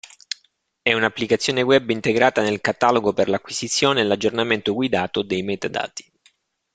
E un'applicazione Web integrata nel catalogo per l'acquisizione e l'aggiornamento guidato dei metadati.